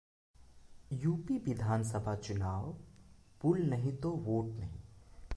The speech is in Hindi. यूपी विधानसभा चुनाव: पुल नहीं तो वोट नहीं